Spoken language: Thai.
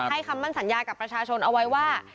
คำมั่นสัญญากับประชาชนเอาไว้ว่า